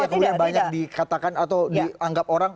kemudian banyak dikatakan atau dianggap orang